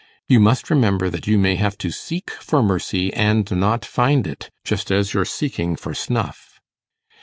You must remember that you may have to seek for mercy and not find it, just as you're seeking for snuff.